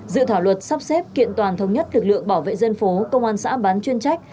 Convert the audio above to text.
dự thảo luật sắp xếp kiện toàn thống nhất lực lượng bảo vệ dân phố công an xã bán chuyên trách